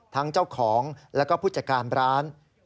ทั้งเจ้าของแล้วก็ผู้จัดการร้าน